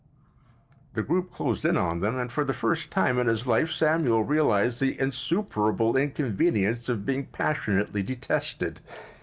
The group closed in on them and for the first time in his life Samuel realized the insuperable inconvenience of being passionately detested.